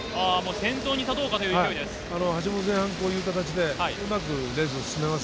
先頭に立とうかという勢いです。